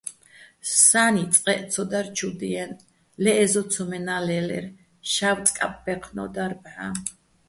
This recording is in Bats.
სა́ნი წყეჸ ცო დარ ჩუ დიენო̆, ლე ე́ზო ცომენა́ ლე́ლერ, შავწკაპბაჲჴნო́ დარ ბჵა́.